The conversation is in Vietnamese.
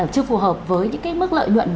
chưa phù hợp với những cái mức lợi luận